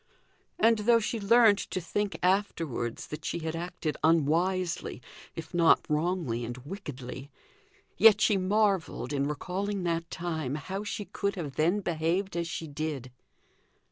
And though she learnt to think afterwards that she had acted unwisely, if not wrongly and wickedly, yet she marvelled, in recalling that time, how she could have then behaved as she did.